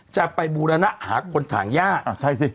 จะไปบูรณะหาคนถางย่าใช่สิ